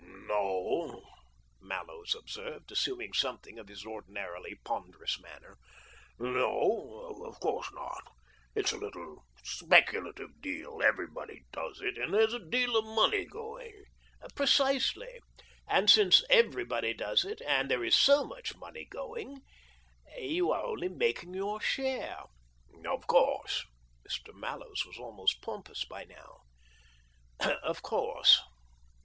" No," Mallows observed, assuming something of his ordinarily ponderous manner; "no, of course not. It's a little speculative deal. Everybody does it, and there's a deal of money going." " Precisely. And since everybody does it, and there is so much money going, you are only making your share." "AVALANCHE BICYCLE AND TYBE CO., LTD:' 187 " Of course." INIr. Mallows was almost pom pous by now. " 0/ course."